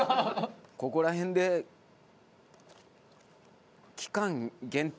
ここら辺で期間限定から。